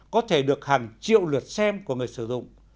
có thể được hàng triệu lượt xem của người sử dụng